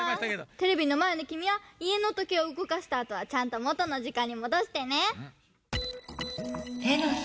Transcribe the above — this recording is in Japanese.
テレビのまえのきみはいえのとけいをうごかしたあとはちゃんともとの時間にもどしてね！